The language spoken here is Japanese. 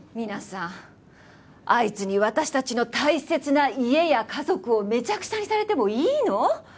皆さんあいつに私たちの大切な家や家族をめちゃくちゃにされてもいいの？